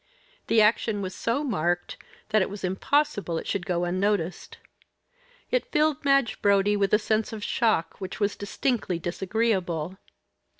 The action was so marked that it was impossible it should go unnoticed. It filled Madge Brodie with a sense of shock which was distinctly disagreeable.